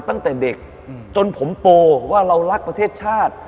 ตั้งแต่เด็กจนผมโตว่าเรารักประเทศชาติ